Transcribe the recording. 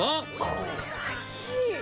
「これはいい！」